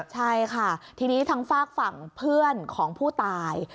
ใช่ค่ะทีนี้ทางฝากฝั่งเพื่อนของผู้ตาย